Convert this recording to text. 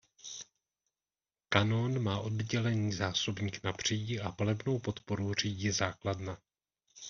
Kanón má oddělený zásobník na přídi a palebnou podporu řídí základna.